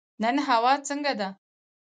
نن هوا څنګه ده؟